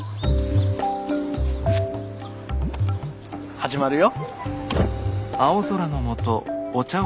始まるよ。